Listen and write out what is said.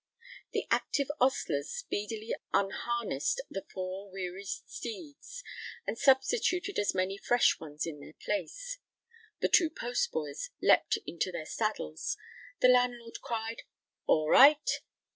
The active ostlers speedily unharnessed the four wearied steeds, and substituted as many fresh ones in their place: the two postboys leapt into their saddles; the landlord cried "All right!"